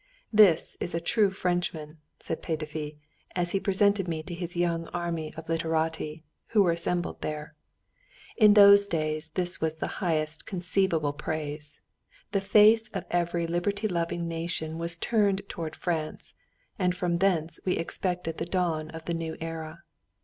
"This is a true Frenchman!" said Petöfi, as he presented me to his young army of literati who were assembled there. In those days this was the highest conceivable praise. The face of every liberty loving nation was turned towards France, and from thence we expected the dawn of the new era.